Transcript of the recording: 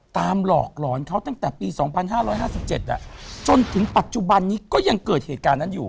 หลอกหลอนเขาตั้งแต่ปี๒๕๕๗จนถึงปัจจุบันนี้ก็ยังเกิดเหตุการณ์นั้นอยู่